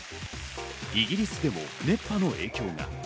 イギリスでも熱波の影響が。